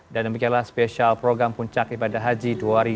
dan demikianlah spesial program puncak ibadah haji dua ribu dua puluh tiga